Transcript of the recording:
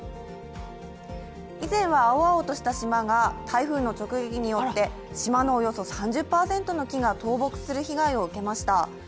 以前は青々とした島が台風の直撃によって島のおよそ３０％の木が倒木する被害を受けました。